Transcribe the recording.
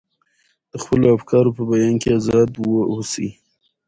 د خپلو افکارو په بیان کې ازاد واوسو.